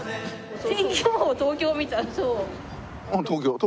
東京。